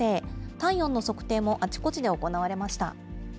体温の測定もあちこちで行われました。